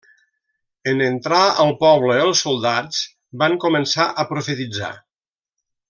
En entrar al poble els soldats van començar a profetitzar.